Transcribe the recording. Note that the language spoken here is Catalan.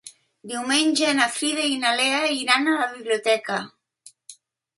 Diumenge na Frida i na Lea iran a la biblioteca.